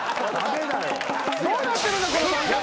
どうなってるんだこの番組は。